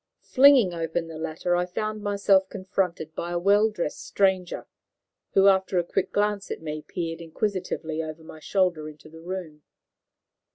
Flinging open the latter, I found myself confronted by a well dressed stranger, who, after a quick glance at me, peered inquisitively over my shoulder into the room.